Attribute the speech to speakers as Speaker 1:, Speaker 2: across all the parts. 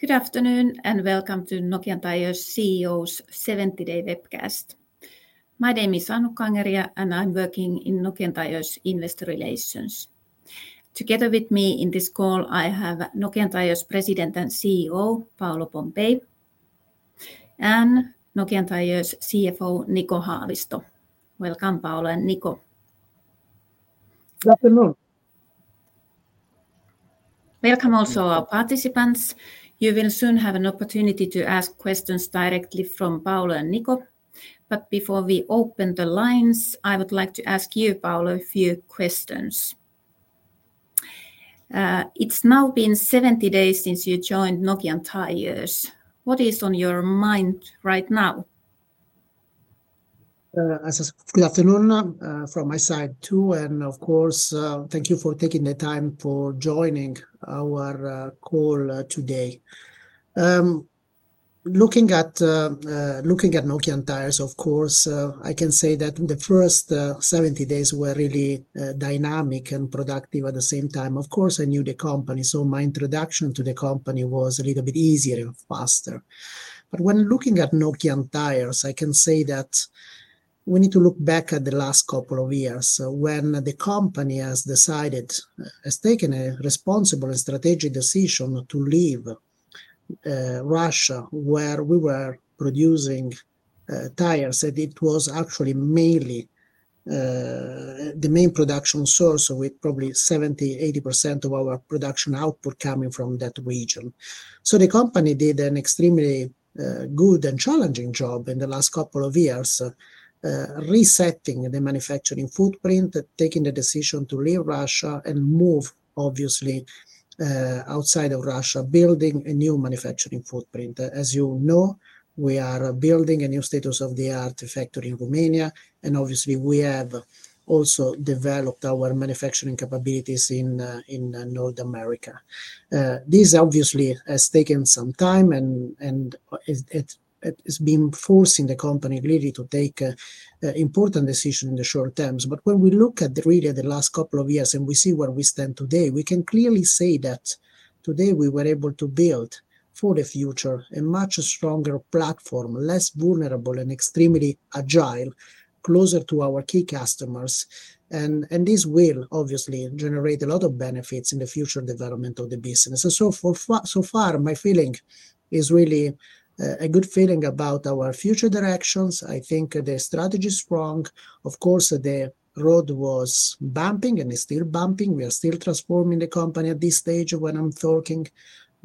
Speaker 1: Good afternoon and welcome to Nokian Tyres CEO's 70-day webcast. My name is Annukka Angeria, and I'm working in Nokian Tyres Investor Relations. Together with me in this call, I have Nokian Tyres' President and CEO, Paolo Pompei, and Nokian Tyres' CFO, Niko Haavisto. Welcome, Paolo and Niko.
Speaker 2: Good afternoon.
Speaker 1: Welcome also our participants. You will soon have an opportunity to ask questions directly from Paolo and Niko. Before we open the lines, I would like to ask you, Paolo, a few questions. It is now been 70 days since you joined Nokian Tyres. What is on your mind right now?
Speaker 3: Good afternoon from my side too. Of course, thank you for taking the time for joining our call today. Looking at Nokian Tyres, of course, I can say that the first 70 days were really dynamic and productive at the same time. Of course, I knew the company, so my introduction to the company was a little bit easier and faster. When looking at Nokian Tyres, I can say that we need to look back at the last couple of years when the company has decided, has taken a responsible and strategic decision to leave Russia, where we were producing tires. It was actually mainly the main production source with probably 70%-80% of our production output coming from that region. The company did an extremely good and challenging job in the last couple of years, resetting the manufacturing footprint, taking the decision to leave Russia and move, obviously, outside of Russia, building a new manufacturing footprint. As you know, we are building a new state-of-the-art factory in Romania. Obviously, we have also developed our manufacturing capabilities in North America. This, obviously, has taken some time, and it has been forcing the company really to take important decisions in the short term. When we look at the last couple of years and we see where we stand today, we can clearly say that today we were able to build for the future a much stronger platform, less vulnerable and extremely agile, closer to our key customers. This will, obviously, generate a lot of benefits in the future development of the business. So far, my feeling is really a good feeling about our future directions. I think the strategy is strong. Of course, the road was bumping and is still bumping. We are still transforming the company at this stage when I'm talking.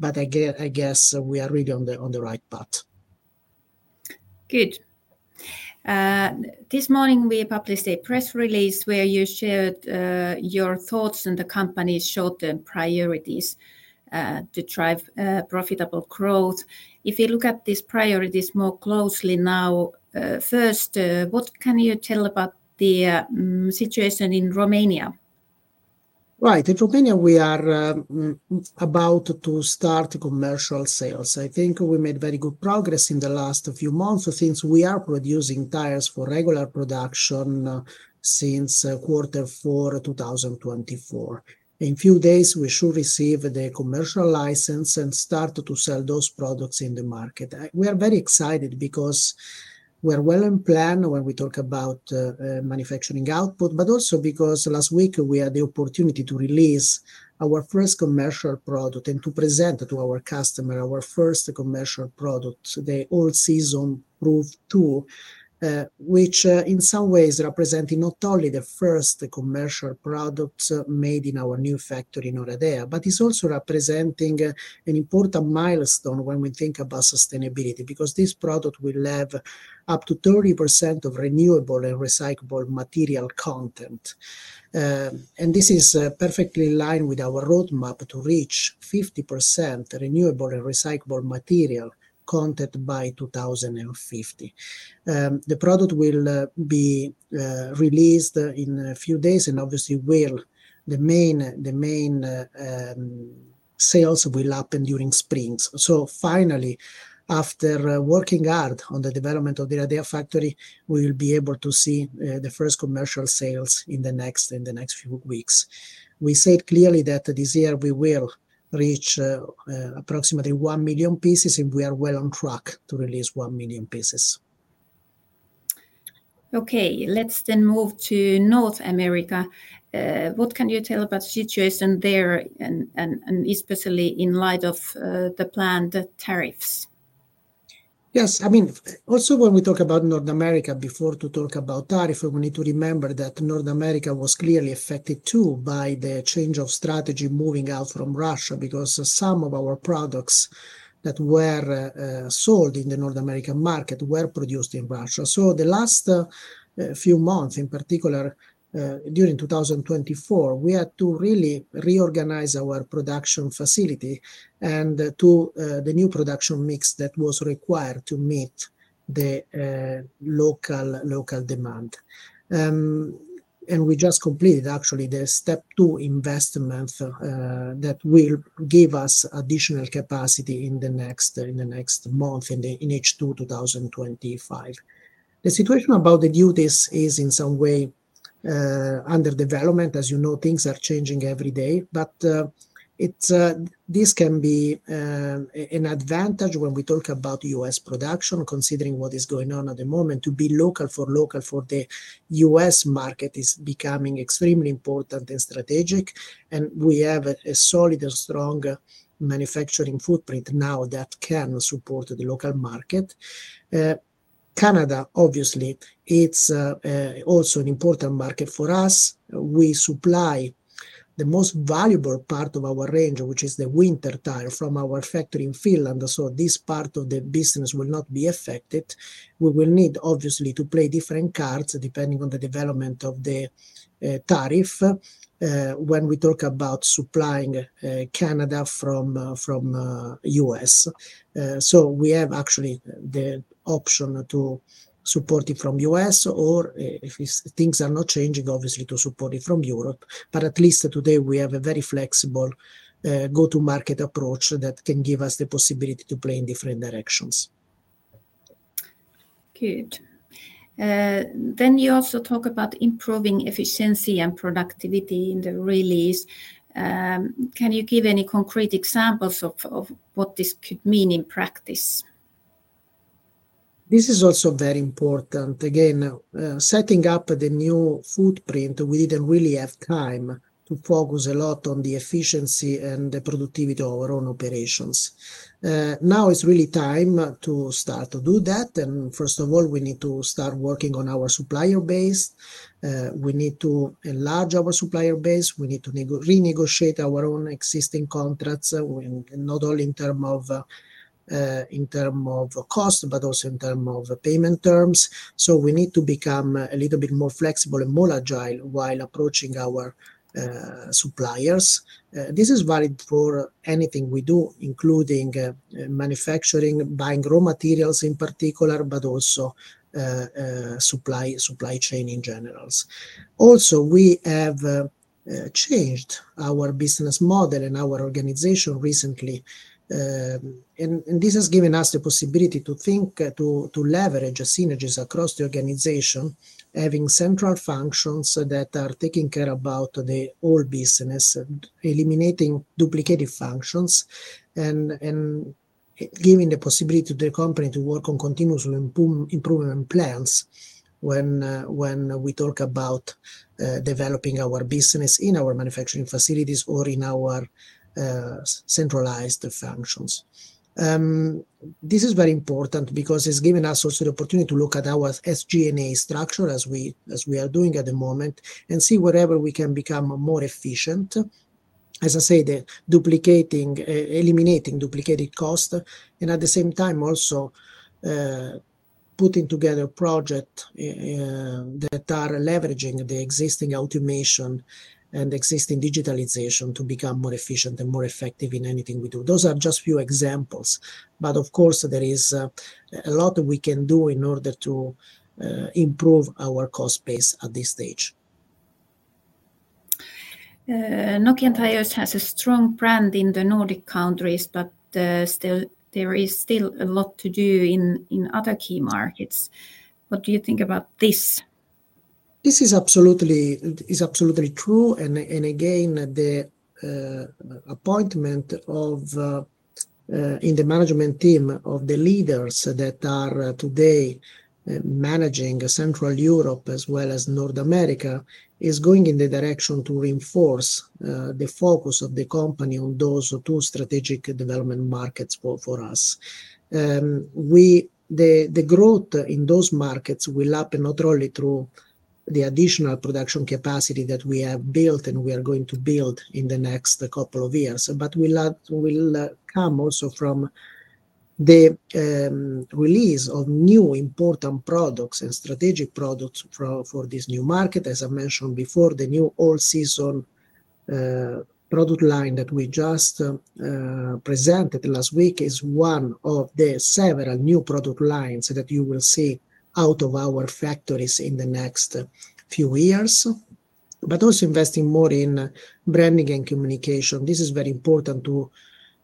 Speaker 3: I guess we are really on the right path.
Speaker 1: Good. This morning, we published a press release where you shared your thoughts and the company's short-term priorities to drive profitable growth. If you look at these priorities more closely now, first, what can you tell about the situation in Romania?
Speaker 3: Right. In Romania, we are about to start commercial sales. I think we made very good progress in the last few months since, we are producing tires for regular production since quarter four, 2024. In a few days, we should receive the commercial license and start to sell those products in the market. We are very excited because we are well in plan when we talk about manufacturing output, but also because last week we had the opportunity to release our first commercial product and to present to our customer our first commercial product, the Nokian Seasonproof 2, which in some ways represents not only the first commercial product made in our new factory in Oradea, but is also representing an important milestone when we think about sustainability because this product will have up to 30% of renewable and recyclable material content. This is perfectly in line with our roadmap to reach 50% renewable and recyclable material content by 2050. The product will be released in a few days and obviously, the main sales will happen during springs. Finally, after working hard on the development of the Oradea factory, we will be able to see the first commercial sales in the next few weeks. We said clearly that this year we will reach approximately 1 million pieces and we are well on track to release 1 million pieces.
Speaker 1: Okay. Let's then move to North America. What can you tell about the situation there and especially in light of the planned tariffs?
Speaker 3: Yes. I mean, also when we talk about North America, before we talk about tariffs, we need to remember that North America was clearly affected too by the change of strategy moving out from Russia because some of our products that were sold in the North American market were produced in Russia. The last few months, in particular during 2024, we had to really reorganize our production facility and the new production mix that was required to meet the local demand. We just completed actually the step two investment that will give us additional capacity in the next month in H2 2025. The situation about the duties is in some way under development. As you know, things are changing every day. This can be an advantage when we talk about U.S. production, considering what is going on at the moment. To be local for local for the U.S. market is becoming extremely important and strategic. We have a solid and strong manufacturing footprint now that can support the local market. Canada, obviously, is also an important market for us. We supply the most valuable part of our range, which is the winter tire, from our factory in Finland. This part of the business will not be affected. We will need, obviously, to play different cards depending on the development of the tariff when we talk about supplying Canada from the U.S. We have actually the option to support it from the U.S. or, if things are not changing, obviously, to support it from Europe. At least today we have a very flexible go-to-market approach that can give us the possibility to play in different directions.
Speaker 1: Good. You also talk about improving efficiency and productivity in the release. Can you give any concrete examples of what this could mean in practice?
Speaker 3: This is also very important. Again, setting up the new footprint, we did not really have time to focus a lot on the efficiency and the productivity of our own operations. Now it is really time to start to do that. First of all, we need to start working on our supplier base. We need to enlarge our supplier base. We need to renegotiate our own existing contracts, not only in terms of cost, but also in terms of payment terms. We need to become a little bit more flexible and more agile while approaching our suppliers. This is valid for anything we do, including manufacturing, buying raw materials in particular, but also supply chain in general. Also, we have changed our business model and our organization recently. This has given us the possibility to think, to leverage synergies across the organization, having central functions that are taking care about the whole business, eliminating duplicated functions, and giving the possibility to the company to work on continuous improvement plans when we talk about developing our business in our manufacturing facilities or in our centralized functions. This is very important because it's given us also the opportunity to look at our SG&A structure, as we are doing at the moment, and see wherever we can become more efficient. As I say, eliminating duplicated costs and at the same time also putting together projects that are leveraging the existing automation and existing digitalization to become more efficient and more effective in anything we do. Those are just a few examples. Of course, there is a lot we can do in order to improve our cost base at this stage.
Speaker 1: Nokian Tyres has a strong brand in the Nordic countries, but there is still a lot to do in other key markets. What do you think about this?
Speaker 3: This is absolutely true. Again, the appointment in the management team of the leaders that are today managing Central Europe as well as North America is going in the direction to reinforce the focus of the company on those two strategic development markets for us. The growth in those markets will happen not only through the additional production capacity that we have built and we are going to build in the next couple of years, but will come also from the release of new important products and strategic products for this new market. As I mentioned before, the new all-season product line that we just presented last week is one of the several new product lines that you will see out of our factories in the next few years. Also investing more in branding and communication. This is very important to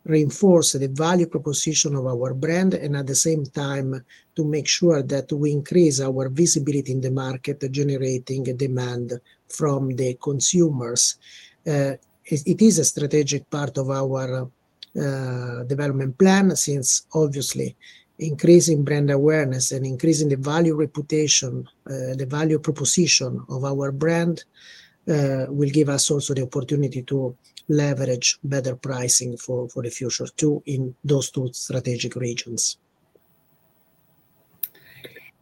Speaker 3: reinforce the value proposition of our brand and at the same time to make sure that we increase our visibility in the market, generating demand from the consumers. It is a strategic part of our development plan since obviously increasing brand awareness and increasing the value reputation, the value proposition of our brand will give us also the opportunity to leverage better pricing for the future too in those two strategic regions.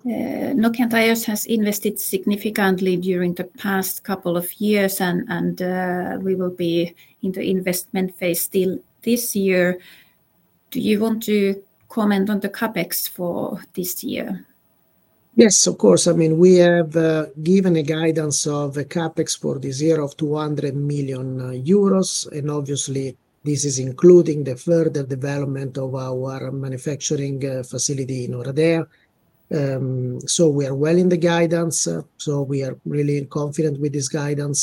Speaker 1: Nokian Tyres has invested significantly during the past couple of years and we will be in the investment phase still this year. Do you want to comment on the CapEx for this year?
Speaker 3: Yes, of course. I mean, we have given a guidance of CapEx for this year of 200 million euros. Obviously, this is including the further development of our manufacturing facility in Oradea. We are well in the guidance. We are really confident with this guidance.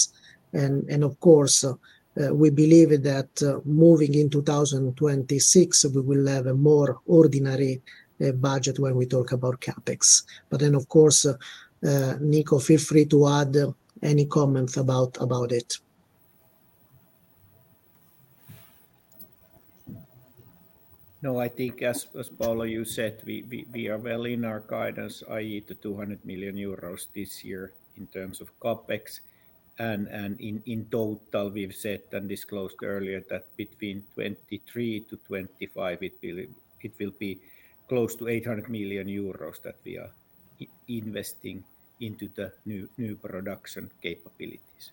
Speaker 3: Of course, we believe that moving in 2026, we will have a more ordinary budget when we talk about CapEx. Niko, feel free to add any comments about it.
Speaker 2: No, I think as Paolo you said, we are well in our guidance, i.e. the 200 million euros this year in terms of CapEx. In total, we have said and disclosed earlier that between 2023-2025, it will be close to 800 million euros that we are investing into the new production capabilities.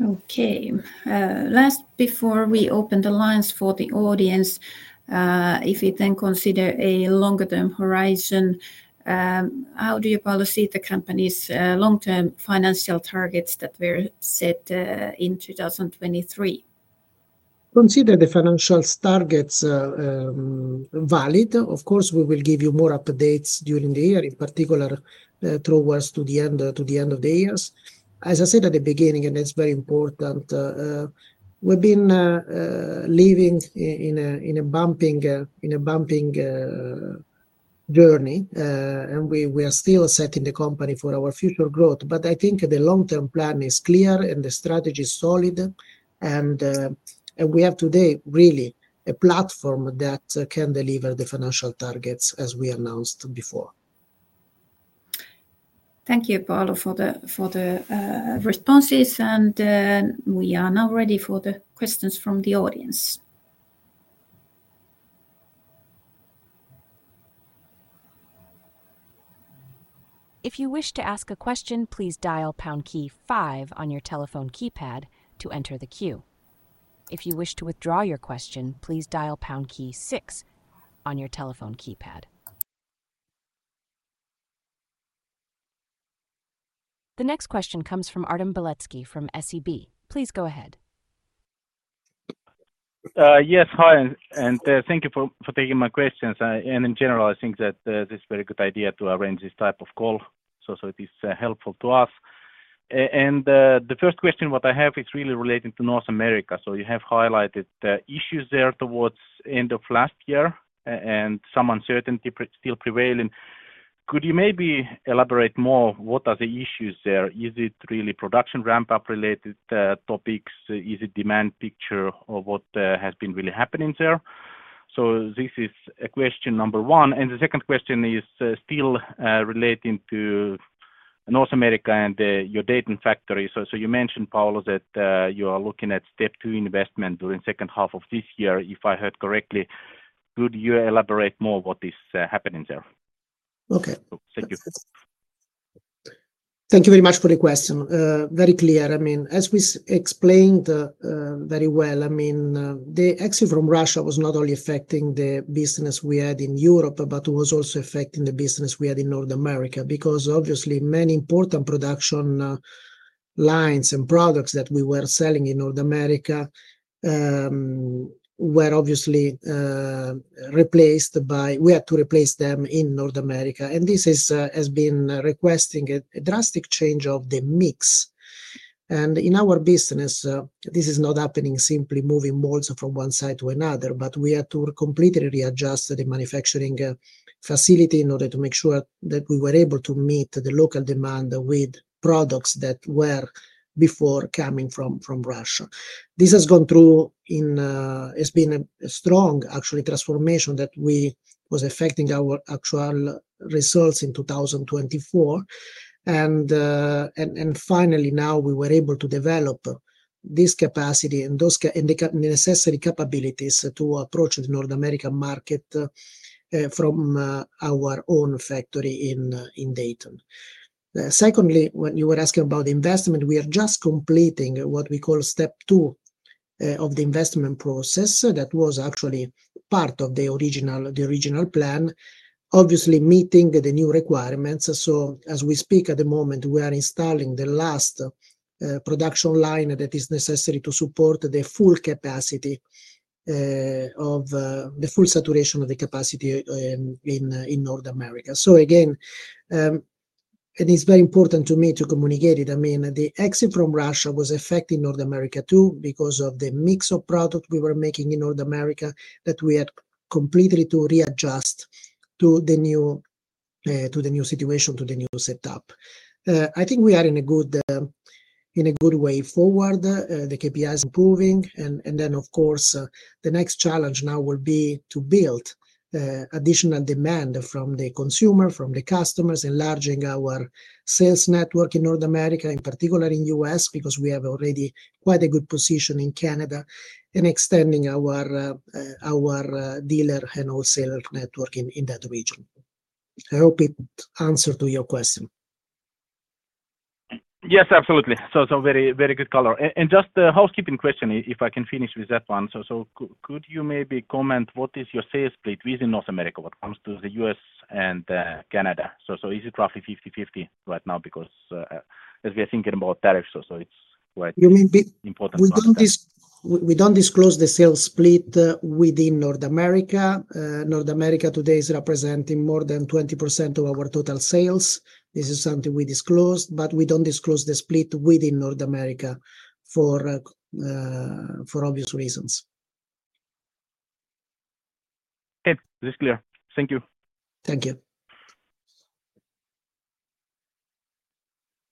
Speaker 1: Okay. Last, before we open the lines for the audience, if you then consider a longer-term horizon, how do you, Paolo, see the company's long-term financial targets that were set in 2023?
Speaker 3: Consider the financial targets valid. Of course, we will give you more updates during the year, in particular towards the end of the years. As I said at the beginning, and it's very important, we've been living in a bumping journey, and we are still setting the company for our future growth. I think the long-term plan is clear and the strategy is solid. We have today really a platform that can deliver the financial targets as we announced before.
Speaker 1: Thank you, Paolo, for the responses. We are now ready for the questions from the audience.
Speaker 4: If you wish to ask a question, please dial pound key five on your telephone keypad to enter the queue. If you wish to withdraw your question, please dial pound key six on your telephone keypad. The next question comes from Artem Beletski from SEB. Please go ahead.
Speaker 5: Yes, hi. Thank you for taking my questions. In general, I think that this is a very good idea to arrange this type of call. It is helpful to us. The first question I have is really related to North America. You have highlighted issues there towards the end of last year, and some uncertainty still prevailing. Could you maybe elaborate more? What are the issues there? Is it really production ramp-up-related topics? Is it demand picture or what has been really happening there? This is question number one. The second question is still relating to North America and your Dayton factory. You mentioned, Paolo, that you are looking at step two investment during the second half of this year. If I heard correctly, could you elaborate more what is happening there?
Speaker 3: Okay. Thank you. Thank you very much for the question. Very clear. I mean, as we explained very well, the exit from Russia was not only affecting the business we had in Europe, but it was also affecting the business we had in North America because obviously many important production lines and products that we were selling in North America were obviously replaced by we had to replace them in North America. This has been requesting a drastic change of the mix. In our business, this is not happening simply moving balls from one side to another, but we had to completely readjust the manufacturing facility in order to make sure that we were able to meet the local demand with products that were before coming from Russia. This has gone through and has been a strong, actually, transformation that was affecting our actual results in 2024. Finally, now we were able to develop this capacity and the necessary capabilities to approach the North American market from our own factory in Dayton. Secondly, when you were asking about the investment, we are just completing what we call step two of the investment process that was actually part of the original plan, obviously meeting the new requirements. As we speak at the moment, we are installing the last production line that is necessary to support the full capacity, the full saturation of the capacity in North America. Again, it is very important to me to communicate it. I mean, the exit from Russia was affecting North America too because of the mix of product we were making in North America that we had completely to readjust to the new situation, to the new setup. I think we are in a good way forward. The KPIs improving. Of course, the next challenge now will be to build additional demand from the consumer, from the customers, enlarging our sales network in North America, in particular in the U.S., because we have already quite a good position in Canada and extending our dealer and wholesaler network in that region. I hope it answered your question.
Speaker 5: Yes, absolutely. Very good, Paolo. Just the housekeeping question, if I can finish with that one. Could you maybe comment what is your sales split within North America when it comes to the U.S. and Canada? Is it roughly 50/50 right now because as we are thinking about tariffs, it is quite important?
Speaker 3: We do not disclose the sales split within North America. North America today is representing more than 20% of our total sales. This is something we disclosed, but we do not disclose the split within North America for obvious reasons.
Speaker 5: Okay. This is clear. Thank you.
Speaker 3: Thank you.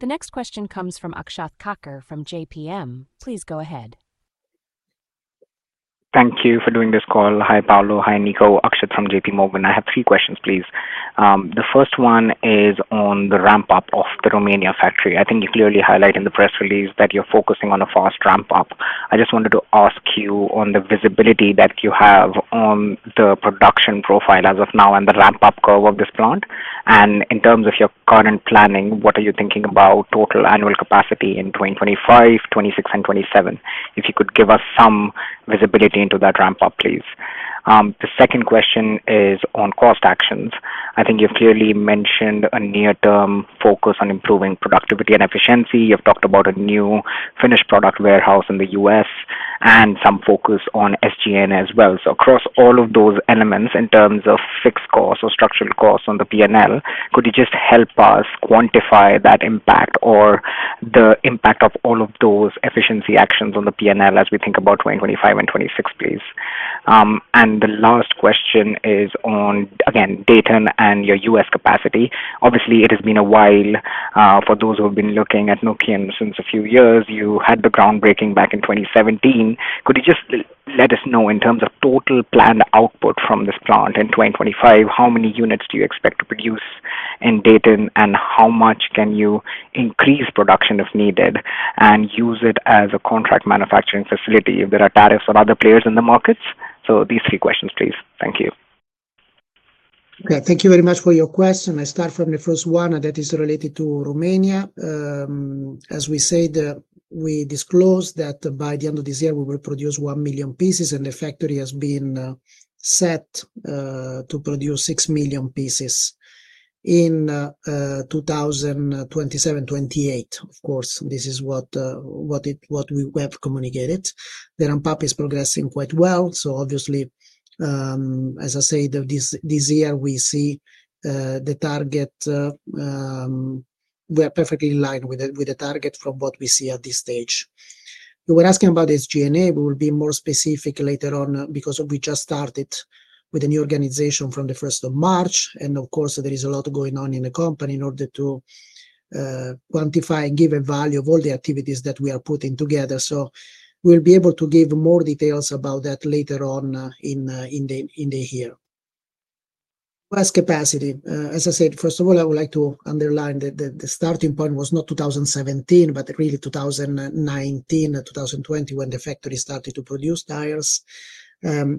Speaker 4: The next question comes from Akshat Kacker from JPMorgan. Please go ahead.
Speaker 6: Thank you for doing this call. Hi, Paolo. Hi, Niko. Akshat from JPMorgan. I have three questions, please. The first one is on the ramp-up of the Romania factory. I think you clearly highlight in the press release that you're focusing on a fast ramp-up. I just wanted to ask you on the visibility that you have on the production profile as of now and the ramp-up curve of this plant. In terms of your current planning, what are you thinking about total annual capacity in 2025, 2026, and 2027? If you could give us some visibility into that ramp-up, please. The second question is on cost actions. I think you've clearly mentioned a near-term focus on improving productivity and efficiency. You've talked about a new finished product warehouse in the U.S. and some focus on SG&A as well. Across all of those elements in terms of fixed costs or structural costs on the P&L, could you just help us quantify that impact or the impact of all of those efficiency actions on the P&L as we think about 2025 and 2026, please? The last question is on, again, Dayton and your U.S. capacity. Obviously, it has been a while for those who have been looking at Nokian Tyres since a few years. You had the groundbreaking back in 2017. Could you just let us know in terms of total planned output from this plant in 2025, how many units do you expect to produce in Dayton ,and how much can you increase production if needed and use it as a contract manufacturing facility if there are tariffs on other players in the markets? These three questions, please. Thank you.
Speaker 3: Okay. Thank you very much for your question. I start from the first one that is related to Romania. As we said, we disclosed that by the end of this year, we will produce 1 million pieces, and the factory has been set to produce 6 million pieces in 2027, 2028. Of course, this is what we have communicated. The ramp-up is progressing quite well. Obviously, as I said, this year we see the target. We are perfectly in line with the target from what we see at this stage. You were asking about SG&A. We will be more specific later on because we just started with a new organization from the 1st of March. Of course, there is a lot going on in the company in order to quantify and give a value of all the activities that we are putting together. We will be able to give more details about that later on in the year. As capacity, as I said, first of all, I would like to underline that the starting point was not 2017, but really 2019, 2020 when the factory started to produce tires.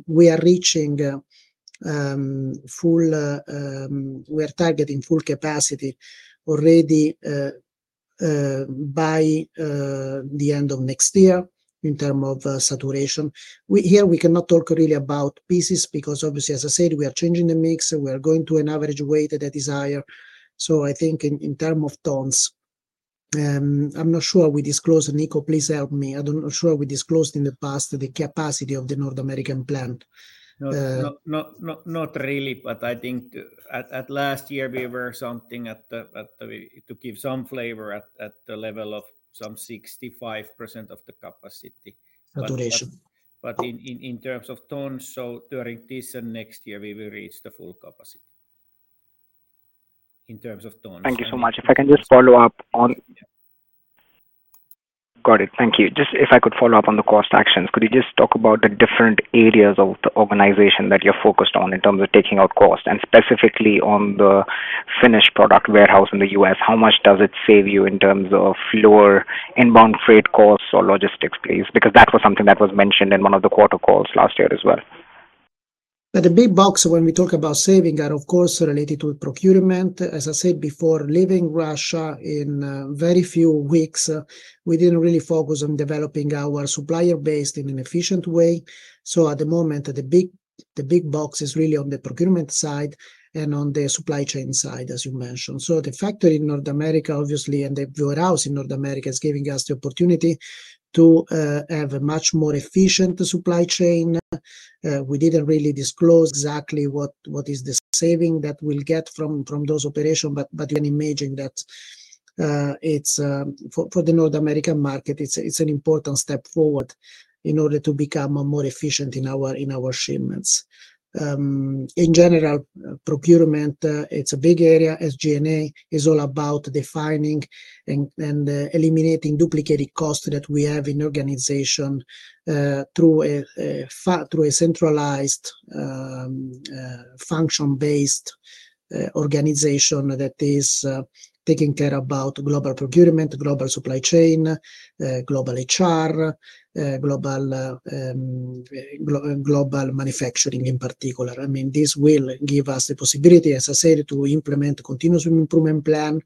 Speaker 3: We are reaching full, we are targeting full capacity already by the end of next year in terms of saturation. Here, we cannot talk really about pieces because obviously, as I said, we are changing the mix. We are going to an average weight that is higher. I think in terms of tons, I'm not sure we disclosed, and Niko, please help me. I'm not sure we disclosed in the past the capacity of the North American plant.
Speaker 2: Not really, but I think at last year, we were something to give some flavor at the level of some 65% of the capacity.
Speaker 3: Saturation.
Speaker 2: In terms of tons, during this and next year, we will reach the full capacity in terms of tons.
Speaker 6: Thank you so much. If I can just follow up on--got it. Thank you. Just if I could follow up on the cost actions, could you just talk about the different areas of the organization that you're focused on in terms of taking out costs and specifically on the finished product warehouse in the U.S.? How much does it save you in terms of lower inbound freight costs or logistics, please? Because that was something that was mentioned in one of the quarter calls last year as well. The big box when we talk about saving are, of course, related to procurement. As I said before, leaving Russia in very few weeks, we did not really focus on developing our supplier base in an efficient way. At the moment, the big box is really on the procurement side and on the supply chain side, as you mentioned. The factory in North America, obviously, and the warehouse in North America is giving us the opportunity to have a much more efficient supply chain. We did not really disclose exactly what is the saving that we will get from those operations, but you can imagine that for the North American market, it is an important step forward in order to become more efficient in our shipments. In general, procurement, it is a big area. SG&A is all about defining and eliminating duplicated costs that we have in the organization through a centralized function-based organization that is taking care about global procurement, global supply chain, global HR, global manufacturing in particular. I mean, this will give us the possibility, as I said, to implement a continuous improvement plan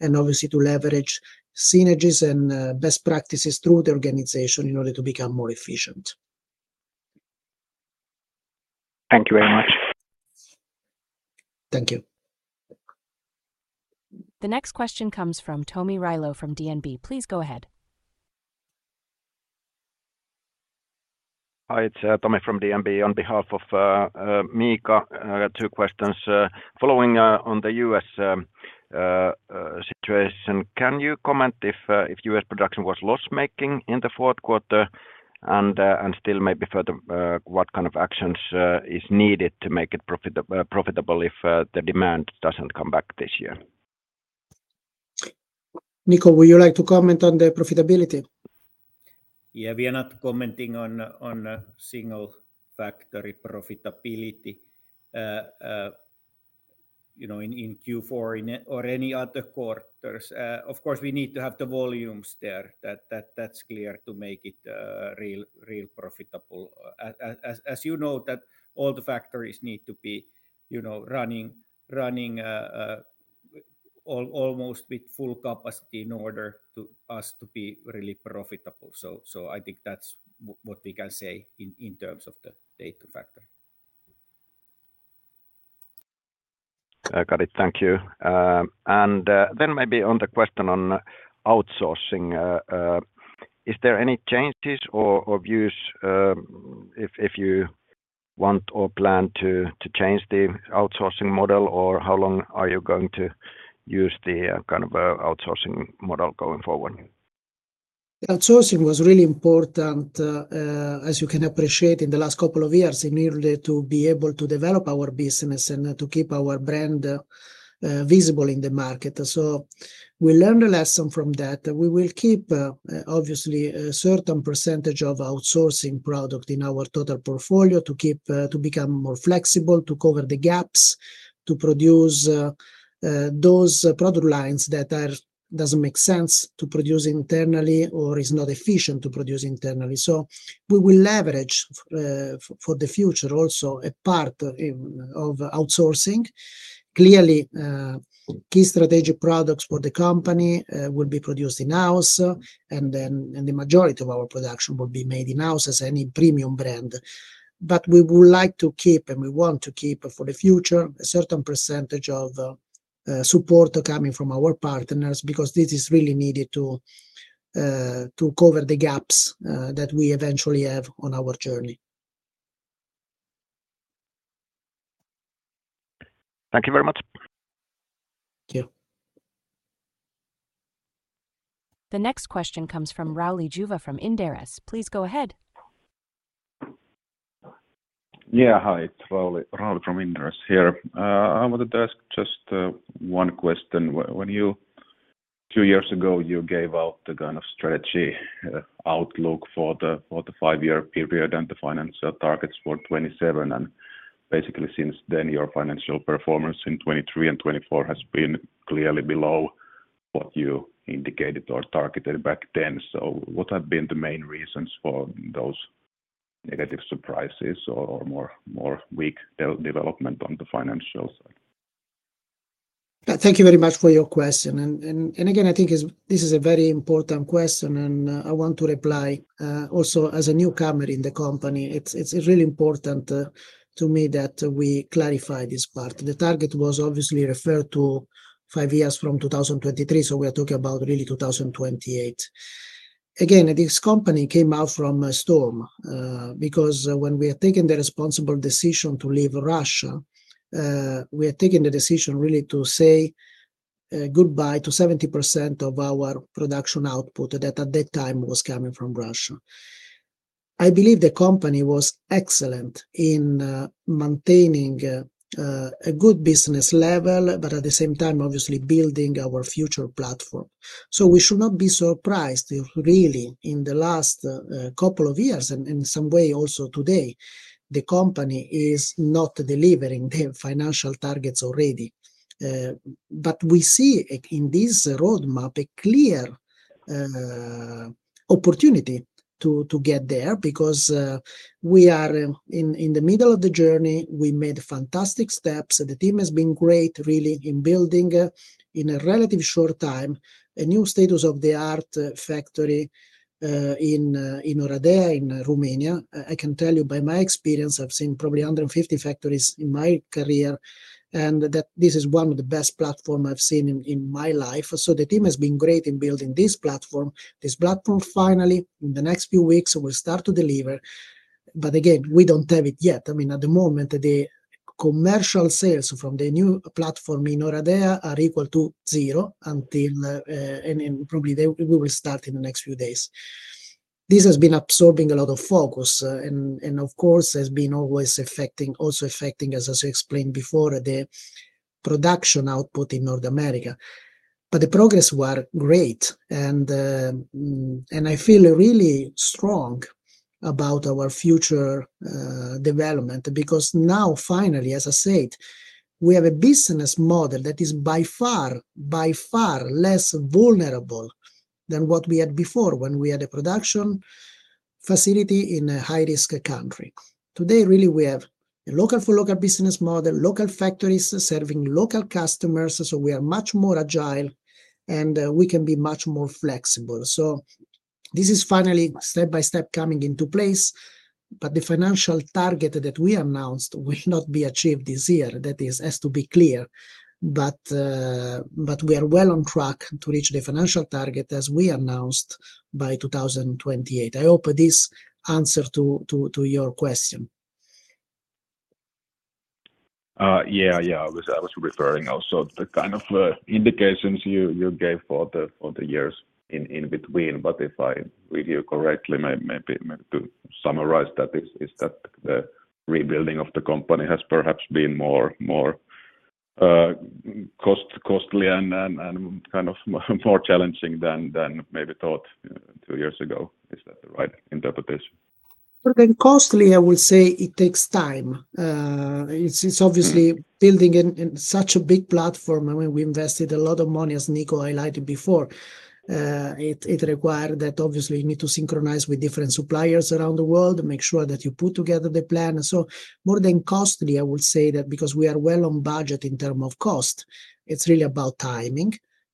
Speaker 6: and obviously to leverage synergies and best practices through the organization in order to become more efficient. Thank you very much.
Speaker 3: Thank you.
Speaker 4: The next question comes from Tomi Railo from DNB. Please go ahead.
Speaker 7: Hi, it's Tommy from DNB on behalf of Mika. I got two questions. Following on the U.S. situation, can you comment if U.S. production was loss-making in the fourth quarter and still maybe further what kind of actions are needed to make it profitable if the demand doesn't come back this year?
Speaker 3: Niko, would you like to comment on the profitability?
Speaker 2: Yeah, we are not commenting on single factory profitability in Q4 or any other quarters. Of course, we need to have the volumes there. That's clear to make it real profitable. As you know, all the factories need to be running almost with full capacity in order for us to be really profitable. I think that's what we can say in terms of the data factory.
Speaker 7: Got it. Thank you. Maybe on the question on outsourcing, is there any changes or views if you want or plan to change the outsourcing model, or how long are you going to use the kind of outsourcing model going forward?
Speaker 3: Outsourcing was really important, as you can appreciate, in the last couple of years in order to be able to develop our business and to keep our brand visible in the market. We learned a lesson from that. We will keep, obviously, a certain percentage of outsourcing product in our total portfolio to become more flexible, to cover the gaps, to produce those product lines that do not make sense to produce internally or are not efficient to produce internally. We will leverage for the future also a part of outsourcing. Clearly, key strategic products for the company will be produced in-house, and the majority of our production will be made in-house as any premium brand. We would like to keep, and we want to keep for the future, a certain percentage of support coming from our partners because this is really needed to cover the gaps that we eventually have on our journey.
Speaker 7: Thank you very much.
Speaker 3: Thank you.
Speaker 4: The next question comes from Rauli Juva from Inderes. Please go ahead.
Speaker 5: Yeah, hi. It's Rowley from Inderes here. I wanted to ask just one question. A few years ago, you gave out the kind of strategy outlook for the five-year period and the financial targets for 2027. Basically, since then, your financial performance in 2023 and 2024 has been clearly below what you indicated or targeted back then. What have been the main reasons for those negative surprises or more weak development on the financial side?
Speaker 3: Thank you very much for your question. I think this is a very important question, and I want to reply. Also, as a newcomer in the company, it's really important to me that we clarify this part. The target was obviously referred to five years from 2023, so we are talking about really 2028. This company came out from a storm because when we are taking the responsible decision to leave Russia, we are taking the decision really to say goodbye to 70% of our production output that at that time was coming from Russia. I believe the company was excellent in maintaining a good business level, but at the same time, obviously, building our future platform. We should not be surprised if really in the last couple of years and in some way also today, the company is not delivering the financial targets already. We see in this roadmap a clear opportunity to get there because we are in the middle of the journey. We made fantastic steps. The team has been great really in building in a relatively short time a new state-of-the-art factory in Oradea, in Romania. I can tell you by my experience, I've seen probably 150 factories in my career, and this is one of the best platforms I've seen in my life. The team has been great in building this platform. This platform, finally, in the next few weeks, will start to deliver. I mean, at the moment, the commercial sales from the new platform in Oradea are equal to zero until probably we will start in the next few days. This has been absorbing a lot of focus and, of course, has been always also affecting, as I explained before, the production output in North America. The progress was great. I feel really strong about our future development because now, finally, as I said, we have a business model that is by far less vulnerable than what we had before when we had a production facility in a high-risk country. Today, really, we have a local-for-local business model, local factories serving local customers. We are much more agile, and we can be much more flexible. This is finally step-by-step coming into place. The financial target that we announced will not be achieved this year. That has to be clear. We are well on track to reach the financial target as we announced by 2028. I hope this answers to your question.
Speaker 5: Yeah, yeah. I was referring also to the kind of indications you gave for the years in between. If I read you correctly, maybe to summarize that is that the rebuilding of the company has perhaps been more costly and kind of more challenging than maybe thought two years ago. Is that the right interpretation?
Speaker 3: Costly, I would say it takes time. It is obviously building such a big platform. I mean, we invested a lot of money, as Niko highlighted before. It required that, obviously, you need to synchronize with different suppliers around the world, make sure that you put together the plan. More than costly, I would say that because we are well on budget in terms of cost, it is really about timing.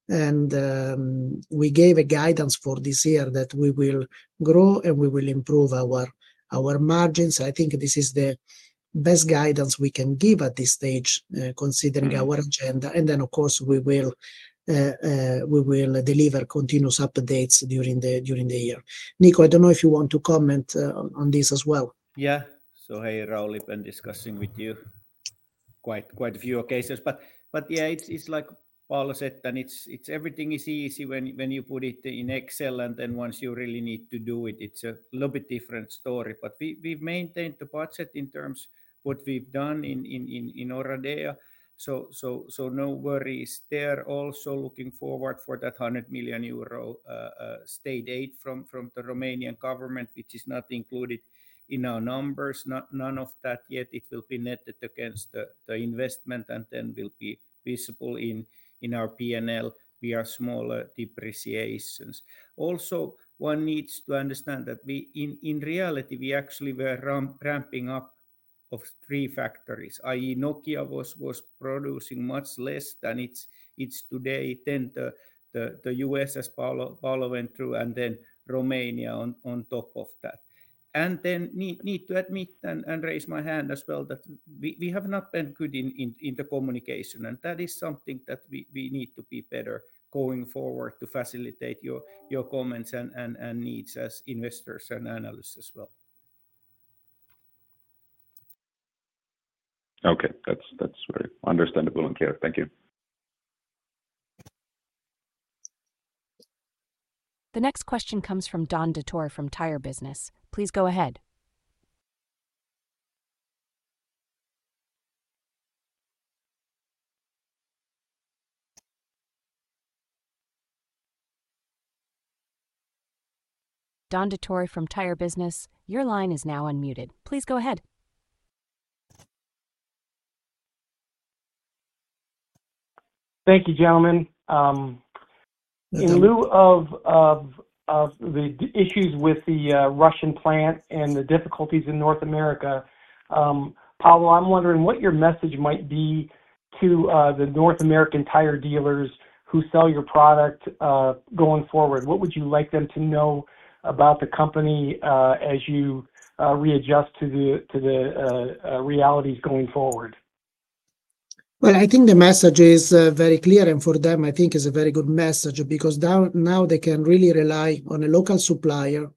Speaker 3: We gave guidance for this year that we will grow and we will improve our margins. I think this is the best guidance we can give at this stage considering our agenda. Of course, we will deliver continuous updates during the year. Niko, I do not know if you want to comment on this as well.
Speaker 2: Yeah. Hey, Rauli, been discussing with you quite a few cases. Yeah, it's like Paolo said, everything is easy when you put it in Excel. Once you really need to do it, it's a little bit different story. We have maintained the budget in terms of what we have done in Oradea, so no worries there. Also looking forward to that 100 million euro state aid from the Romanian government, which is not included in our numbers. None of that yet. It will be netted against the investment and then will be visible in our P&L via small depreciations. Also, one needs to understand that in reality, we actually were ramping up three factories, i.e., Nokia was producing much less than it is today, then the U.S., as Paolo went through, and then Romania on top of that. I need to admit and raise my hand as well that we have not been good in the communication. That is something that we need to be better going forward to facilitate your comments and needs as investors and analysts as well.
Speaker 5: Okay. That's very understandable and clear. Thank you.
Speaker 4: The next question comes from Don Detore from Tire Business. Please go ahead. Don Detore from Tire Business, your line is now unmuted. Please go ahead.
Speaker 5: Thank you, gentlemen. In lieu of the issues with the Russian plant and the difficulties in North America, Paolo, I'm wondering what your message might be to the North American tire dealers who sell your product going forward. What would you like them to know about the company as you readjust to the realities going forward?
Speaker 3: I think the message is very clear. For them, I think it's a very good message because now they can really rely on a local supplier,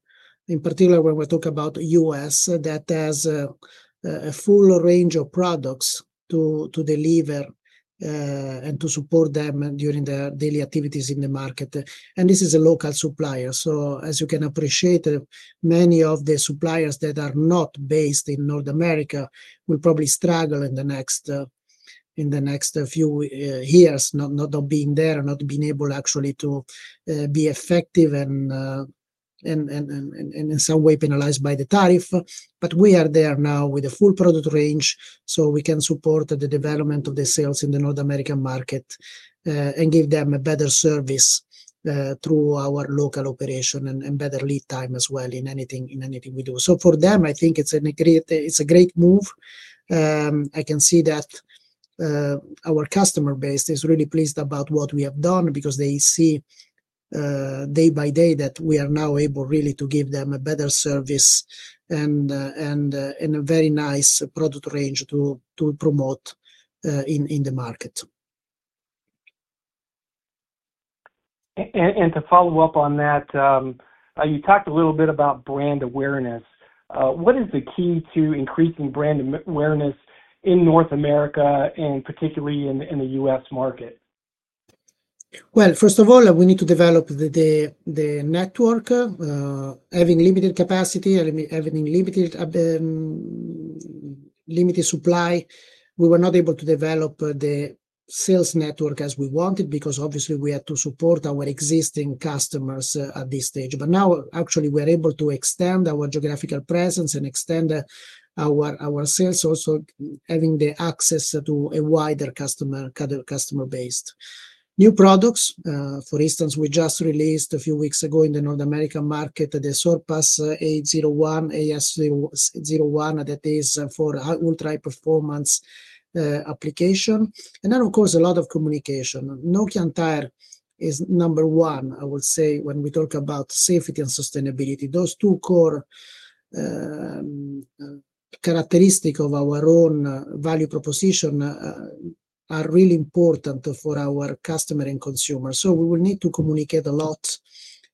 Speaker 3: in particular when we talk about the U.S., that has a full range of products to deliver and to support them during their daily activities in the market. This is a local supplier. As you can appreciate, many of the suppliers that are not based in North America will probably struggle in the next few years not being there and not being able actually to be effective and in some way penalized by the tariff. We are there now with a full product range so we can support the development of the sales in the North American market and give them a better service through our local operation and better lead time as well in anything we do. I think it's a great move. I can see that our customer base is really pleased about what we have done because they see day-by-day that we are now able really to give them a better service and a very nice product range to promote in the market.
Speaker 5: To follow up on that, you talked a little bit about brand awareness. What is the key to increasing brand awareness in North America and particularly in the U.S. market?
Speaker 3: First of all, we need to develop the network. Having limited capacity, having limited supply, we were not able to develop the sales network as we wanted because obviously we had to support our existing customers at this stage. Now, actually, we are able to extend our geographical presence and extend our sales also having the access to a wider customer base. New products, for instance, we just released a few weeks ago in the North American market, the SORPAS 801, AS01, that is for ultra high performance application. Of course, a lot of communication. Nokian Tyres is number one, I would say, when we talk about safety and sustainability. Those two core characteristics of our own value proposition are really important for our customer and consumer. We will need to communicate a lot,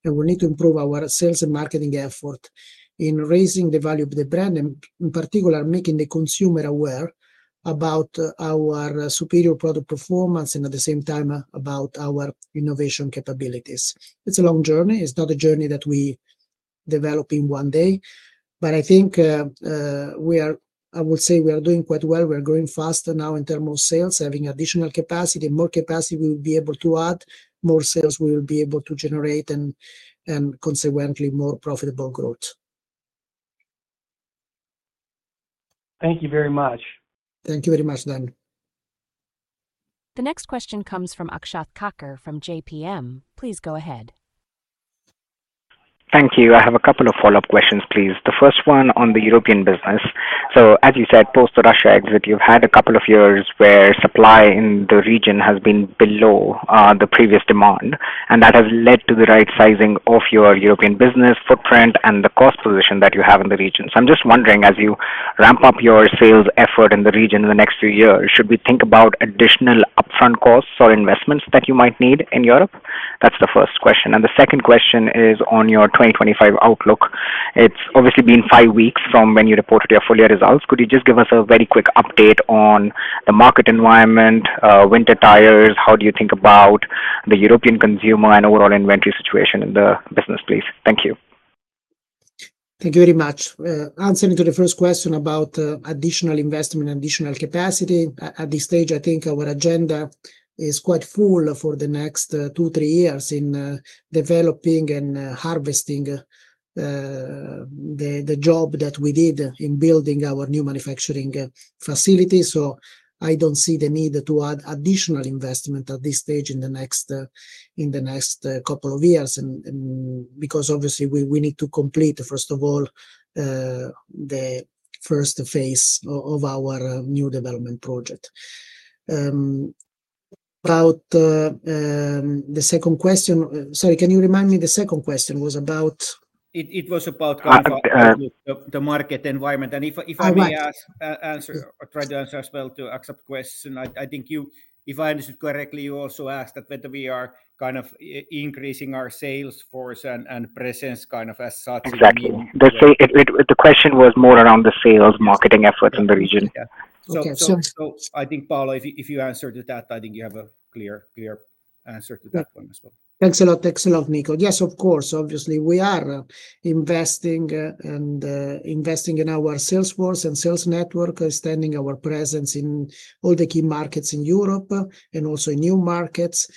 Speaker 3: and we'll need to improve our sales and marketing effort in raising the value of the brand and, in particular, making the consumer aware about our superior product performance and at the same time about our innovation capabilities. It's a long journey. It's not a journey that we develop in one day. I think we are, I would say we are doing quite well. We are growing fast now in terms of sales, having additional capacity, more capacity we will be able to add, more sales we will be able to generate, and consequently, more profitable growth.
Speaker 5: Thank you very much.
Speaker 3: Thank you very much, Rauli.
Speaker 4: The next question comes from Akshat Kackar from JPMorgan. Please go ahead.
Speaker 6: Thank you. I have a couple of follow-up questions, please. The first one on the European business. As you said, post-Russia exit, you've had a couple of years where supply in the region has been below the previous demand. That has led to the right sizing of your European business footprint and the cost position that you have in the region. I'm just wondering, as you ramp up your sales effort in the region in the next few years, should we think about additional upfront costs or investments that you might need in Europe? That's the first question. The second question is on your 2025 outlook. It's obviously been five weeks from when you reported your full year results. Could you just give us a very quick update on the market environment, winter tires? How do you think about the European consumer and overall inventory situation in the business, please? Thank you.
Speaker 3: Thank you very much. Answering to the first question about additional investment and additional capacity, at this stage, I think our agenda is quite full for the next two to three years in developing and harvesting the job that we did in building our new manufacturing facility. I do not see the need to add additional investment at this stage in the next couple of years because obviously, we need to complete, first of all, the first phase of our new development project. About the second question, sorry, can you remind me the second question was about?
Speaker 2: It was about kind of the market environment. If I may try to answer as well to Akshat's question, I think if I understood correctly, you also asked that whether we are kind of increasing our sales force and presence kind of as such.
Speaker 6: Exactly. The question was more around the sales marketing efforts in the region.
Speaker 2: I think, Paolo, if you answered that, I think you have a clear answer to that one as well.
Speaker 3: Thanks a lot. Thanks a lot, Niko. Yes, of course. Obviously, we are investing in our sales force and sales network, extending our presence in all the key markets in Europe and also in new markets.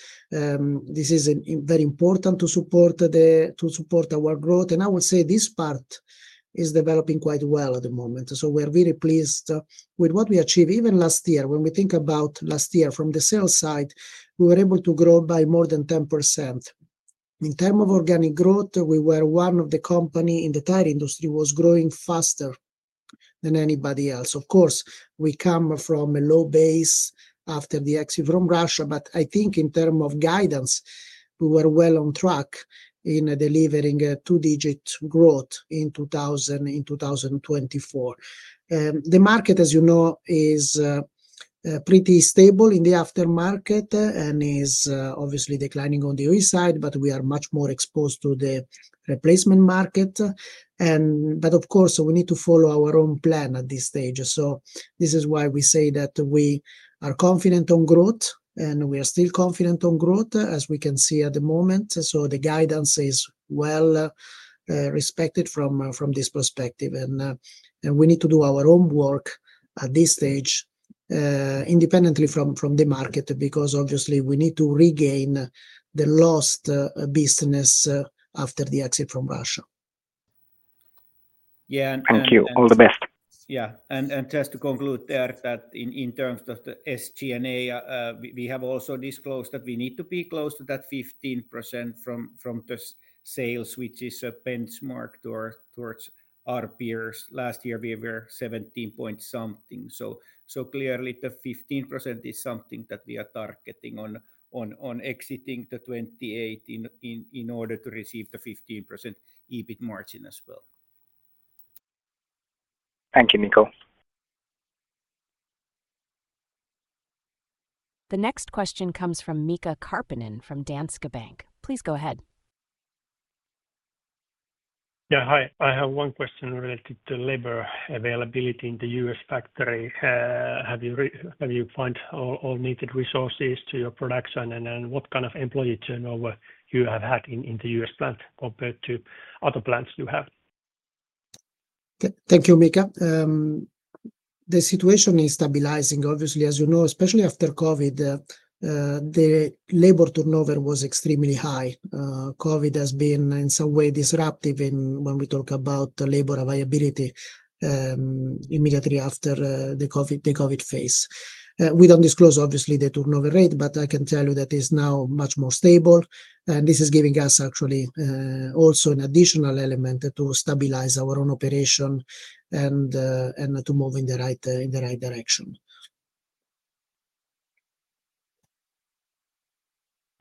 Speaker 3: This is very important to support our growth. I would say this part is developing quite well at the moment. We are very pleased with what we achieved even last year. When we think about last year from the sales side, we were able to grow by more than 10%. In terms of organic growth, we were one of the companies in the tire industry that was growing faster than anybody else. Of course, we come from a low base after the exit from Russia. I think in terms of guidance, we were well on track in delivering a two-digit growth in 2024. The market, as you know, is pretty stable in the aftermarket and is obviously declining on the U.S. side, but we are much more exposed to the replacement market. Of course, we need to follow our own plan at this stage. This is why we say that we are confident on growth, and we are still confident on growth as we can see at the moment. The guidance is well respected from this perspective. We need to do our own work at this stage independently from the market because obviously we need to regain the lost business after the exit from Russia.
Speaker 2: Yeah.
Speaker 6: Thank you. All the best.
Speaker 2: Yeah. Just to conclude there, in terms of the SG&A, we have also disclosed that we need to be close to that 15% from the sales, which is benchmarked towards our peers. Last year, we were 17 percentage points something. Clearly, the 15% is something that we are targeting on exiting the 2018 in order to receive the 15% EBIT margin as well.
Speaker 6: Thank you, Niko.
Speaker 4: The next question comes from Mika Karppinen from Danske Bank. Please go ahead.
Speaker 8: Yeah, hi. I have one question related to labor availability in the U.S. factory. Have you found all needed resources to your production, and what kind of employee turnover you have had in the U.S. plant compared to other plants you have?
Speaker 3: Thank you, Mika. The situation is stabilizing, obviously, as you know, especially after COVID. The labor turnover was extremely high. COVID has been in some way disruptive when we talk about labor availability immediately after the COVID phase. We do not disclose, obviously, the turnover rate, but I can tell you that it is now much more stable. This is giving us actually also an additional element to stabilize our own operation and to move in the right direction.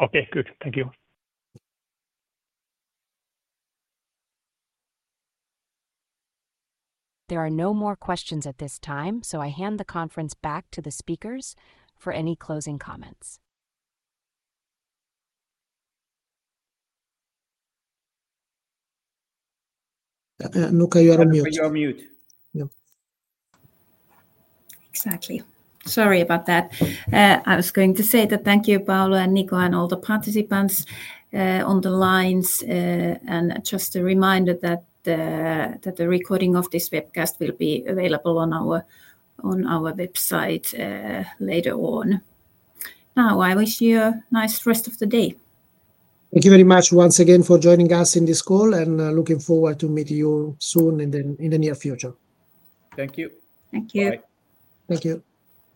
Speaker 8: Okay. Good. Thank you.
Speaker 4: There are no more questions at this time, so I hand the conference back to the speakers for any closing comments.
Speaker 3: Annukka, you are on mute.
Speaker 2: You are on mute.
Speaker 1: Exactly. Sorry about that. I was going to say that thank you, Paolo and Niko and all the participants on the lines. Just a reminder that the recording of this webcast will be available on our website later on. Now, I wish you a nice rest of the day.
Speaker 3: Thank you very much once again for joining us in this call, and looking forward to meeting you soon in the near future.
Speaker 2: Thank you.
Speaker 1: Thank you.
Speaker 3: Bye-bye.
Speaker 2: Thank you.